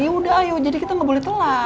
yaudah ayo jadi kita gak boleh telat